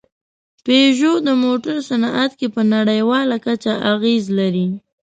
پيژو د موټرو صنعت کې په نړۍواله کچه اغېز لري.